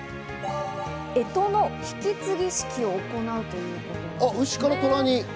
干支の引き継ぎ式を行うということで。